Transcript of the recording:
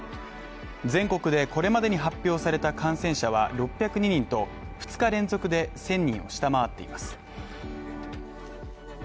全国でこれまでに発表された感染者は６０２人と２日連続で１０００人を下回っています。